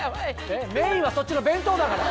メインはそっちの弁当だから。